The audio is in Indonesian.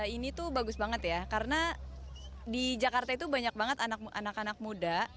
ini tuh bagus banget ya karena di jakarta itu banyak banget anak anak muda